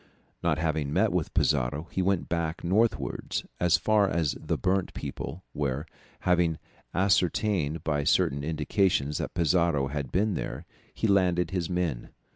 Not having met with Pizarro, he went back northwards as far as the burnt people, where, having ascertained by certain indications that Pizarro had been there, he landed his men.